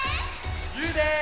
ゆうです！